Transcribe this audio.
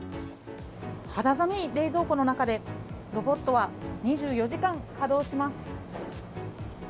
肌寒い冷蔵庫の中でロボットは２４時間稼働します。